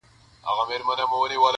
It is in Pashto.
په پلمه یې د مرګ دام ته را وستلی -